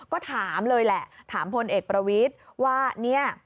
ก็ถามเลยแหละถามพลเอกประวิทย์ว่าเนี่ย